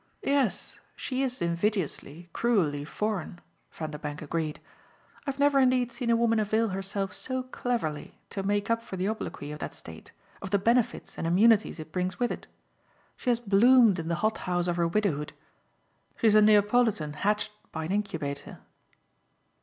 "Yes, she's invidiously, cruelly foreign," Vanderbank agreed: "I've never indeed seen a woman avail herself so cleverly, to make up for the obloquy of that state, of the benefits and immunities it brings with it. She has bloomed in the hot house of her widowhood she's a Neapolitan hatched by an incubator."